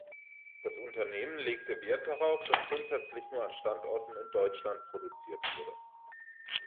Das Unternehmen legte Wert darauf, dass grundsätzlich nur an Standorten in Deutschland produziert wurde.